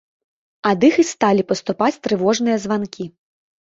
Ад іх і сталі паступаць трывожныя званкі.